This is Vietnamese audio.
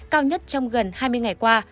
cao nhất trong gần hai mươi ngày qua